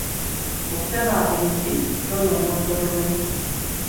Okutema emiti kyonoona obutonde bw'ensi.